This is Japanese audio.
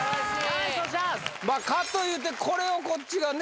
まあかというてこれをこっちがね